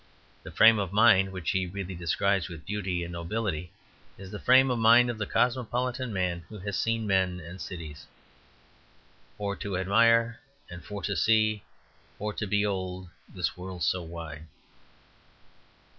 The frame of mind which he really describes with beauty and nobility is the frame of mind of the cosmopolitan man who has seen men and cities. "For to admire and for to see, For to be'old this world so wide."